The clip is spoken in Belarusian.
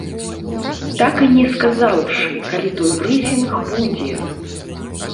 Так і не сказаўшы, калі той брыфінг будзе.